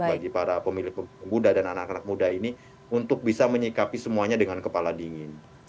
bagi para pemilih pemuda dan anak anak muda ini untuk bisa menyikapi semuanya dengan kepala dingin